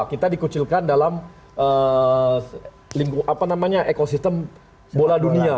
kita dikucilkan dalam lingkungan apa namanya ekosistem bola dunia